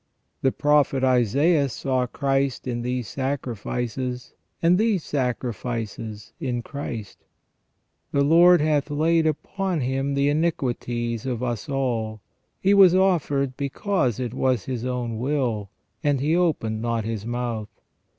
The Prophet Isaias saw Christ in these sacrifices, and these sacrifices in Christ. '^The Lord hath laid upon Him the iniquities of us all. He was offered because it was His own will, and he opened not His mouth.